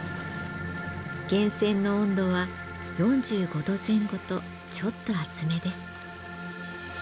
源泉の温度は４５度前後とちょっと熱めです。